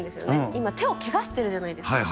今、手をけがしてるじゃないですか。